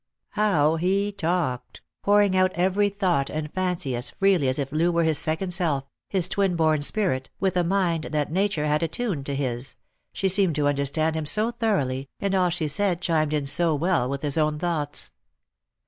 How he talked! pouring out every thought and fancy as freely as if Loo were his second self, his twin born spirit, with a mind that nature had attuned to his — she seemed to understand him so thoroughly, and all she said chimed in so well with his own thoughts.